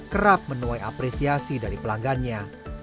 kerap menuai apresiasi dari pelanggannya